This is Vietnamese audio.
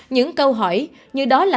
những câu hỏi như đó là